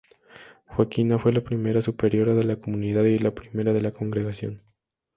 Joaquina fue la primera superiora de la comunidad y la primera de la congregación.